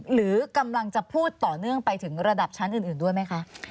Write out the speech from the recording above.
หรือกำลังจะพูดต่อเนื่องไปถึงระดับชั้นอื่นด้วยไหมคะ